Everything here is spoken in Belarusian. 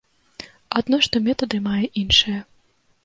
Адно што метады мае іншыя.